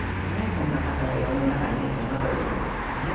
そんな方は世の中に山といるんですもんね。